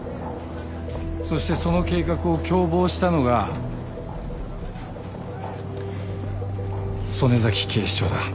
そしてその計画を共謀したのが曽根崎警視長だ。